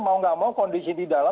mau nggak mau